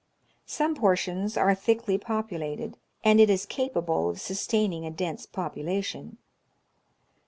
Some portions are thickly populated, and it is capable of sustaining a dense population.